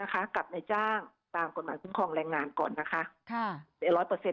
กับในจ้างตามกฎหมายคุ้มครองแรงงานก่อนนะคะ